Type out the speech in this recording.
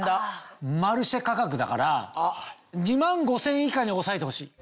マルシェ価格だから２万５０００円以下に抑えてほしい。